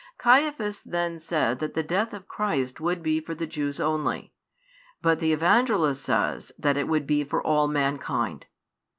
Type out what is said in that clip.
Caiaphas then said that the death of Christ would be for the Jews only, but the Evangelist says that it would be for all mankind.